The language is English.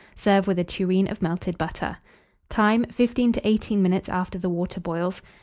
Serve with a tureen of melted butter. Time. 15 to 18 minutes after the water boils.